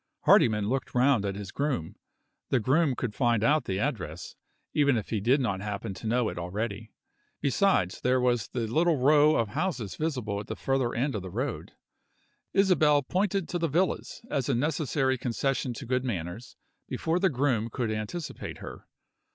Hardyman looked round at his groom. The groom could find out the address, even if he did not happen to know it already. Besides, there was the little row of houses visible at the further end of the road. Isabel pointed to the villas, as a necessary concession to good manners, before the groom could anticipate her.